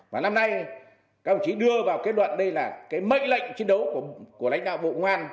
và năm nay các ông chí đưa vào kết luận đây là cái mệnh lệnh chiến đấu của lãnh đạo bộ ngoan